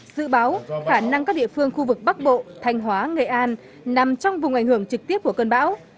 dự báo khả năng các địa phương khu vực bắc bộ thanh hóa nghệ an nằm trong vùng ảnh hưởng trực tiếp của cơn bão